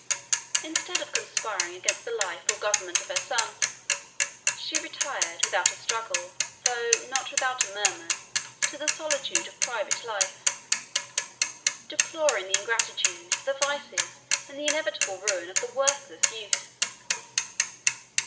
Instead of conspiring against the life or government of her son, she retired, without a struggle, though not without a murmur, to the solitude of private life, deploring the ingratitude, the vices, and the inevitable ruin, of the worthless youth.